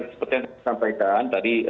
seperti yang disampaikan tadi